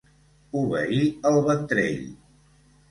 Obeir el ventrell.